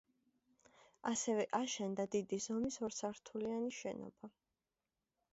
ასევე, აშენდა დიდი ზომის, ორსართულიანი შენობა.